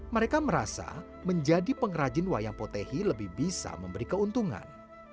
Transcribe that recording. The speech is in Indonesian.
mereka merasa menjadi pengrajin wayang potehi lebih bisa memberi keuntungan